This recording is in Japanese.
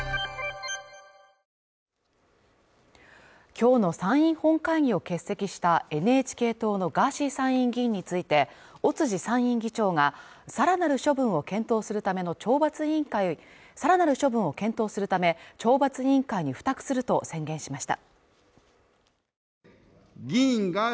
今日の参院本会議を欠席したＮＨＫ党のガーシー参院議員について尾辻参院議長が更なる処分を検討するため、懲罰委員会に付託すると宣言しました。